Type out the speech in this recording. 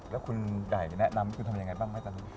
แล้วคุณใหญ่แนะนำคุณทำยังไงบ้าง